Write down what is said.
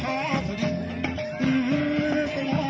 สวัสดีครับทุกคน